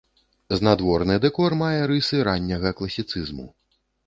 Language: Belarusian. Знадворны дэкор мае рысы ранняга класіцызму.